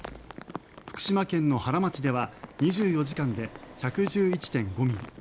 福島県の原町では２４時間で１１１．５ミリ